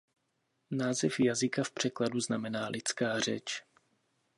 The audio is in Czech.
Název jazyka v překladu znamená "lidská řeč".